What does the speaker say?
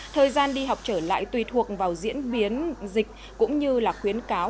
thời gian đi học trở lại tùy thuộc vào diễn biến dịch cũng như là khuyến cáo